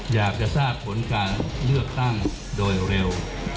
อยากจะทราบผลการเลือกตั้งโดยเร็ว